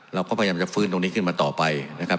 เราก็พยายามจะฟื้นตรงนี้ขึ้นมาต่อไปนะครับ